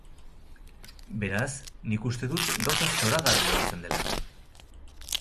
Beraz, nik uste dut gauza zoragarria izan dela.